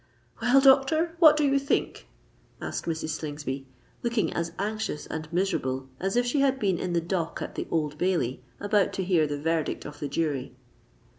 "Well, doctor—what do you think?" asked Mrs. Slingsby, looking as anxious and miserable as if she had been in the dock at the Old Bailey, about to hear the verdict of the jury.